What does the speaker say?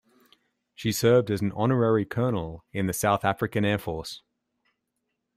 She served as an Honorary Colonel in the South African Air Force.